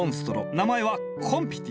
名前はコンピティ。